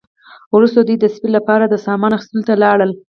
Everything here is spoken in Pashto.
وروسته دوی د سپي لپاره د سامان اخیستلو ته لاړل